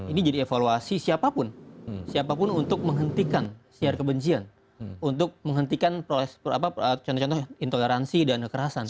ini jadi evaluasi siapapun siapapun untuk menghentikan siar kebencian untuk menghentikan contoh contoh intoleransi dan kekerasan